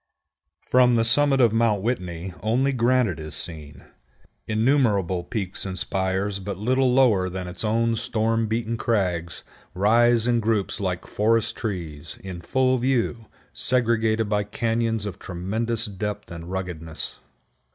From the summit of Mount Whitney only granite is seen. Innumerable peaks and spires but little lower than its own storm beaten crags rise in groups like forest trees, in full view, segregated by cañons of tremendous depth and ruggedness.